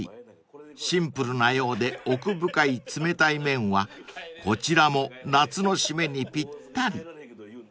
［シンプルなようで奥深い冷たい麺はこちらも夏の締めにぴったり］